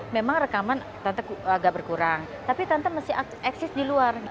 memang rekaman tante agak berkurang tapi tante masih eksis di luar